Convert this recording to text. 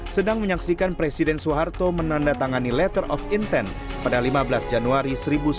sedang menyaksikan presiden soeharto menandatangani letter of intent pada lima belas januari seribu sembilan ratus empat puluh